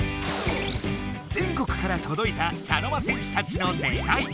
全国からとどいた茶の間戦士たちの願い。